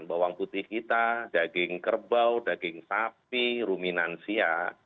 bawang putih kita daging kerbau daging sapi ruminansia